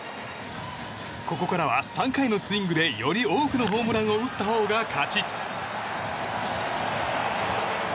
ここからは３回のスイングでより多くのホームランを打ったほうが勝ち。